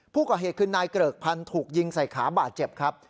ผู้ก่อเหตุคือนายเกริกพันธุ์ถูกยิงใส่ขาบาดเจ็บครับ